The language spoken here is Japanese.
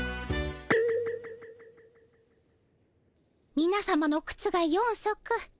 みなさまのくつが４足。